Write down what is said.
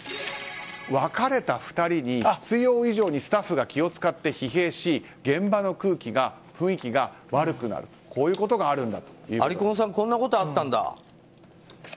別れた２人に必要以上にスタッフが気を使って疲弊し現場の雰囲気が悪くなるありこんさんこんなことあったんだ。